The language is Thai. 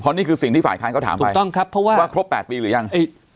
เพราะนี่คือสิ่งที่ฝ่ายค้านเขาถามไปว่าครบ๘ปีหรือยัง